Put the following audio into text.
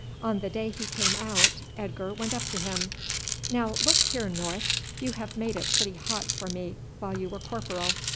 On the day he came out Edgar went up to him. "Now look here, North. You have made it pretty hot for me while you were corporal.